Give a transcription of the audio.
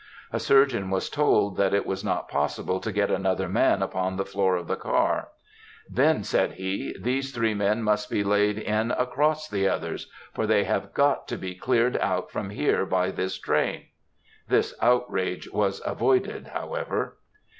A surgeon was told that it was not possible to get another man upon the floor of the car. "Then," said he, "these three men must be laid in across the others, for they have got to be cleared out from here by this train!" This outrage was avoided, however.